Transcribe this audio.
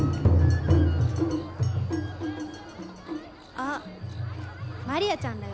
あっマリアちゃんらよ。